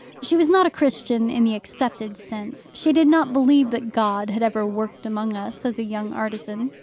She was not a Christian in the accepted sense; she did not believe that God had ever worked among us as a young artisan.